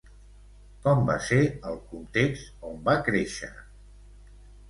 Com va ser el context on va créixer?